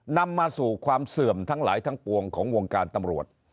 นำมาสู่ความเสื่อมทั้งหลายทั้งปวงของวงการตำรวจ